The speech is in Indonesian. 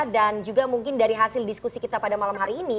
dan juga mungkin dari hasil diskusi kita pada malam hari ini